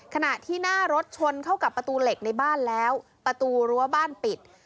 ขณะที่หน้ารถชนเข้ากับประตูเหล็กในบ้านแล้วประตูรั้วบ้านปิด